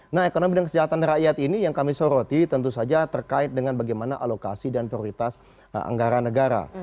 nah ekonomi dan kesejahteraan rakyat ini yang kami soroti tentu saja terkait dengan bagaimana alokasi dan prioritas anggaran negara